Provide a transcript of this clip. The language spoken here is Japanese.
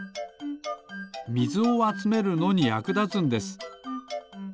みずをあつめるのにやくだつんです。